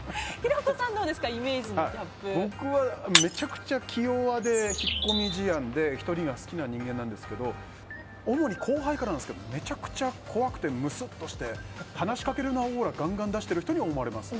僕はめちゃくちゃ気弱で引っ込み思案で１人が好きな人間なんですけど主に後輩からめちゃくちゃ怖くてムスッとして話しかけるなオーラ、がんがん出してる人だと思われます。